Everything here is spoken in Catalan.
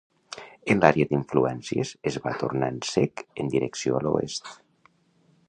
En l'àrea d'influència es va tornant sec en direcció a l'oest.